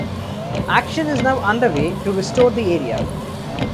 Action is now underway to restore the area.